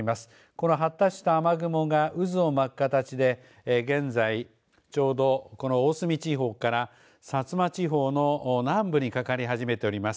この発達した雨雲が渦を巻く形で現在ちょうど大隅地方から薩摩地方の南部にかかり始めております。